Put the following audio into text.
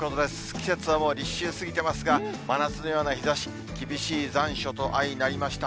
季節はもう立秋過ぎてますが、真夏のような日ざし、厳しい残暑と相成りました。